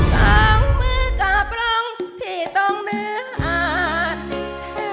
ต่างมือกับร้องที่ต้องเนื้ออาจ